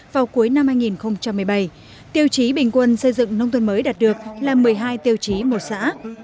vào cuối năm hai nghìn một mươi bảy tiêu chí bình quân xây dựng nông thôn mới đạt được là một mươi hai tiêu chí một xã